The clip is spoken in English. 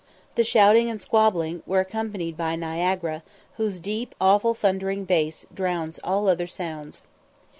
The shouting and squabbling were accompanied by Niagara, whose deep awful thundering bass drowns all other sounds.